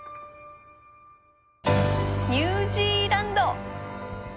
ニュージーランド！